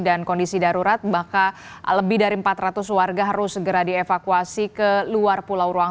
dan kondisi darurat bahkan lebih dari empat ratus warga harus segera dievakuasi ke luar pulau ruang